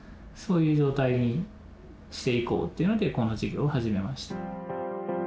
そういう状態にしていこうっていうのでこの事業を始めました。